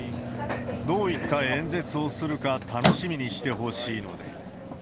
どういった演説をするか楽しみにしてほしいので。